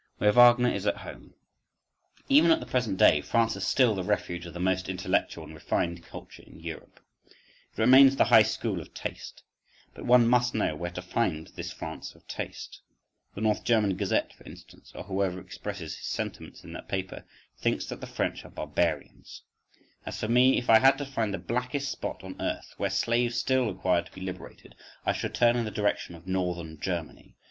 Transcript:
Where Wagner Is At Home. Even at the present day, France is still the refuge of the most intellectual and refined culture in Europe, it remains the high school of taste: but one must know where to find this France of taste. The North German Gazette, for instance, or whoever expresses his sentiments in that paper, thinks that the French are "barbarians,"—as for me, if I had to find the blackest spot on earth, where slaves still required to be liberated, I should turn in the direction of Northern Germany.